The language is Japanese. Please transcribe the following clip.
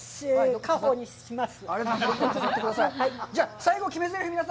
家宝にします。